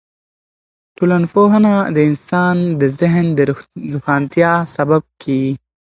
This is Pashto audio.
ټولنپوهنه د انسان د ذهن د روښانتیا سبب کیږي.